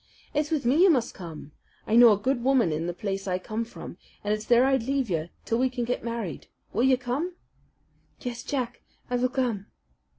It's with me you must come. I know a good woman in the place I come from, and it's there I'd leave you till we can get married. Will you come?" "Yes, Jack, I will come."